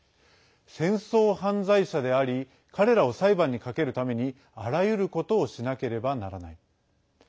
戦争犯罪者であり彼らを裁判にかけるためにあらゆることをしなければならない。